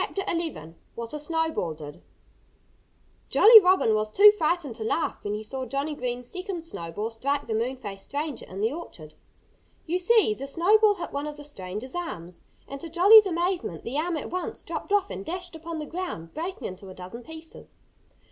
XI WHAT A SNOWBALL DID Jolly Robin was too frightened to laugh when he saw Johnnie Green's second snowball strike the moon faced stranger in the orchard. You see, the snowball hit one of the stranger's arms. And to Jolly's amazement, the arm at once dropped off and dashed upon the ground, breaking into a dozen pieces.